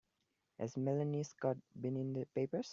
Has Melanie Scott been in the papers?